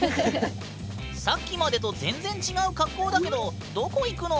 さっきまでと全然違う格好だけどどこ行くの？